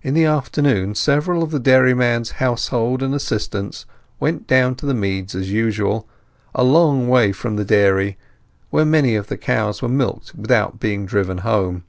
In the afternoon several of the dairyman's household and assistants went down to the meads as usual, a long way from the dairy, where many of the cows were milked without being driven home.